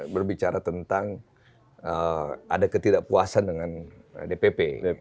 berbicara tentang ada ketidakpuasan dengan dpp